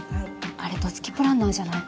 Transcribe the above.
あれどつきプランナーじゃない？